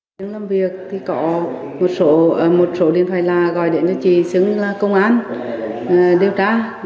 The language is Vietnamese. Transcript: trước làm việc thì có một số điện thoại là gọi điện cho chị xứng công an điều tra